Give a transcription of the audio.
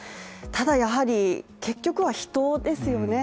ただやはり、結局は人ですよね。